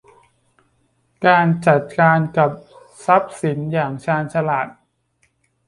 การจัดการกับทรัพย์สินอย่างชาญฉลาด